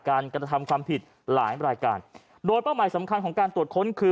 การกระทำความผิดหลายรายการโดยเป้าหมายสำคัญของการตรวจค้นคือ